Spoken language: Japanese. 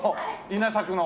稲作の。